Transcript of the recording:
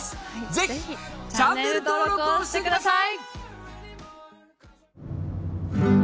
ぜひチャンネル登録をしてください！